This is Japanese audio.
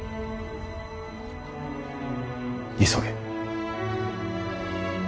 急げ。